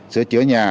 sửa chữa nhà